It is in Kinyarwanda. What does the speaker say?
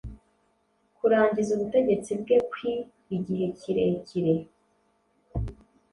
Kurangiza Ubutegeti bwe kwii igihe kirekire